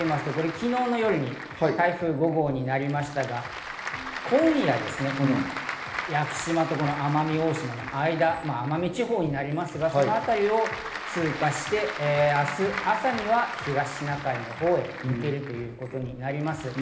昨日の夜に台風５号になりましたが、今夜、屋久島と奄美大島の間、奄美地方になりますが、そのあたりを通過して明日朝には東シナ海のほうへ抜けるということになります。